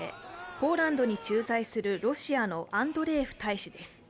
ポーランドに駐在するロシアのアンドレエフ大使です。